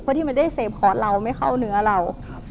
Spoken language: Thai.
เพื่อที่มันได้เสพคอร์ดเราไม่เข้าเนื้อเรา